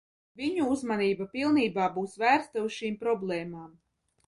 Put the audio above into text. Viņu uzmanība pilnībā būs vērsta uz šīm problēmām.